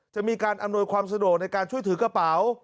จะมีการอำนวยความสะดวกในการช่วยถือกระเป๋า